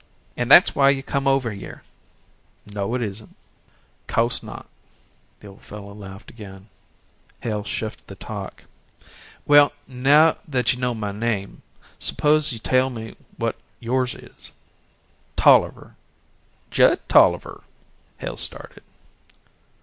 "An' that's why you come over hyeh." "No, it isn't." "Co'se not," the old fellow laughed again. Hale shifted the talk. "Well, now that you know my name, suppose you tell me what yours is?" "Tolliver Judd Tolliver." Hale started.